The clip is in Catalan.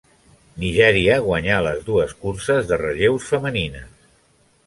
Nigèria guanyà les dues curses de relleus femenines.